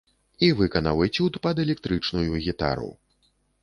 І выканаў эцюд пад электрычную гітару.